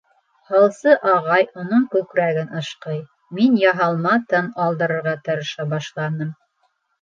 Һалсы ағай уның күкрәген ышҡый, мин яһалма тын алдырырға тырыша башланым.